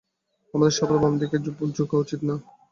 আমাদের সবার বাম দিকে ঝোঁকা উচিত না?